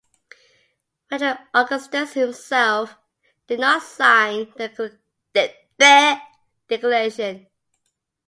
Frederick Augustus himself did not sign the Declaration.